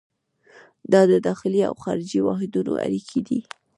دا د داخلي او خارجي واحدونو اړیکې دي.